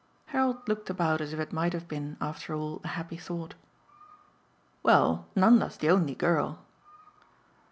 Harold looked about as if it might have been after all a happy thought. "Well, Nanda's the only girl."